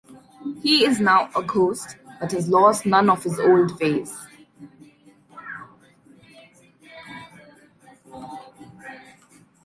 He is now a ghost, but has lost none of his old ways.